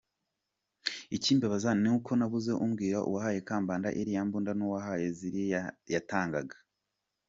Ikimbabaza ni uko nabuze umbwira uwahaye Kambanda iriya mbunda , n’uwamuhaye ziriya yatangaga.